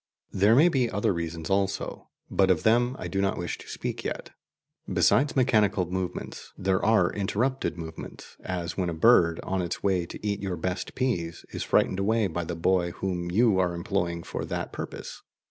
There may be other reasons also, but of them I do not wish to speak yet. Besides mechanical movements, there are interrupted movements, as when a bird, on its way to eat your best peas, is frightened away by the boy whom you are employing for that purpose.